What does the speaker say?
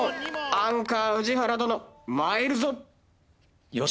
アンカー宇治原殿参るぞ！